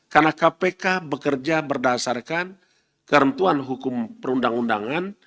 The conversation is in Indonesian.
karena kpk bekerja berdasarkan kerentuan hukum perundang undangan